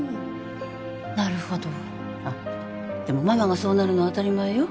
なるほどあっでもママがそうなるのは当たり前よ